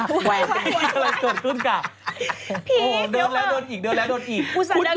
เดินแล้วโดนอีก